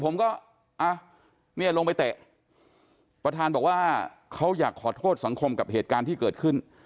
ผมก็อ่ะเนี่ยลงไปเตะประธานบอกว่าเขาอยากขอโทษสังคมกับเหตุการณ์ที่เกิดขึ้น